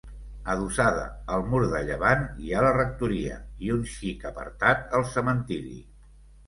Adossada al mur de llevant, hi ha la rectoria, i, un xic apartat, el cementiri.